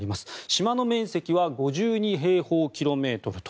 島の面積は５２平方キロメートルと。